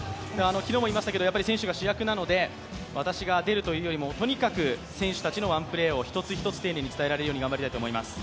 昨日も言いましたけど、やはり選手が主役なので、私が出るというよりも、とにかく選手たちのワンプレーを一つ一つ丁寧に伝えられるように頑張りたいと思います。